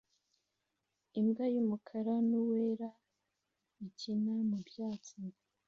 Imbwa yumukara nuwera ikina mubyatsi